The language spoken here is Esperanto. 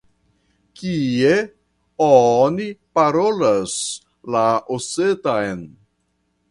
Kie oni parolas la osetan?